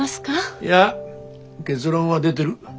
いや結論は出てる。